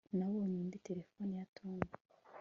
nabonye indi terefone ya tom